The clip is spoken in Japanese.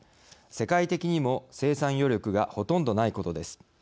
世界的にも生産余力がほとんどないことです。